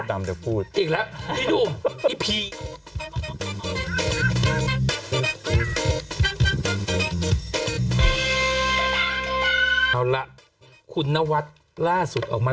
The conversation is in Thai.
ตำเดี๋ยวพูดอีกละพี่ดูมพี่พีคุณนวัดล่าสุดออกมา